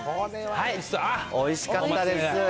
おいしかったです。